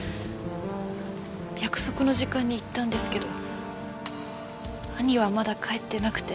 約束の時間に行ったんですけど兄はまだ帰ってなくて。